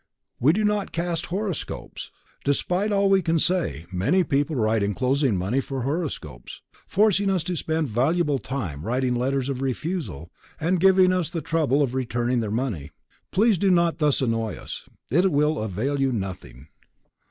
WE DO NOT CAST HOROSCOPES Despite all we can say, many people write enclosing money for horoscopes, forcing us to spend valuable time writing letters of refusal and giving us the trouble of returning their money. Please do not thus annoy us; it will avail you nothing.